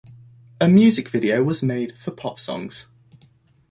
A music video was made for "Pop Songs".